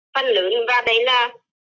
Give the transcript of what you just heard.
phần lớn và đấy là